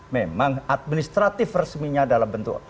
memang administratif resminya dalam bentuk